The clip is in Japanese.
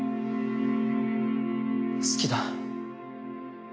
好きだ。